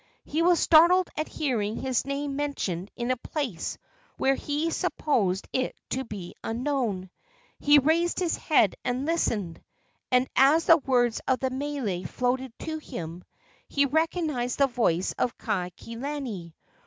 He was startled at hearing his name mentioned in a place where he supposed it to be unknown. He raised his head and listened, and, as the words of the mele floated to him, he recognized the voice of Kaikilani.